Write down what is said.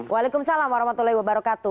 waalaikumsalam warahmatullahi wabarakatuh